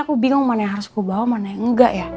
aku bingung mana yang harus aku bawa mana yang enggak ya